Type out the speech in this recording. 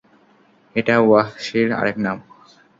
এটা ওয়াহ্শীর আরেক নাম।